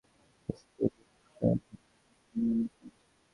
হারের কারণ হিসেবে নিজেদের স্পিন দুর্বলতাকেই দায়ী করছেন ওপেনার অ্যারন ফিঞ্চ।